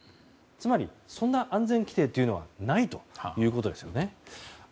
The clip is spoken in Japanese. つまり、そんな安全規定はないということですよね。